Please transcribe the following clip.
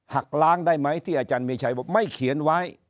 หักล้างได้ไหมที่อาจารย์มีชัยบอกไม่เขียนไว้